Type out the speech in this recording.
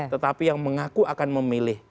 tetapi yang mengaku akan memilih